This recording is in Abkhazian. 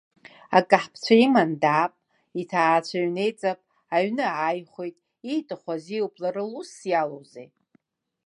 Акаҳԥцәа иманы даап, иҭаацәа ҩнеиҵап, аҩны ааихәеит, ииҭаху азиуп, лара лусс иалоузеи!